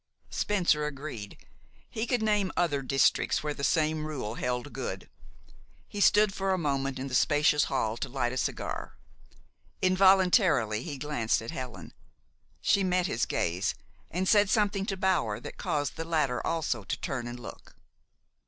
Spencer agreed. He could name other districts where the same rule held good. He stood for a moment in the spacious hall to light a cigar. Involuntarily he glanced at Helen. She met his gaze, and said something to Bower that caused the latter also to turn and look.